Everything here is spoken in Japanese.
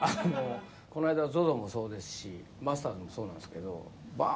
この間ＺＯＺＯもそうですしマスターズもそうなんですけど。